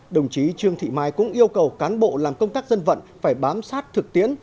đồng chí trương thị mai cũng yêu cầu cán bộ làm công tác dân vận phải bám sát thực tiễn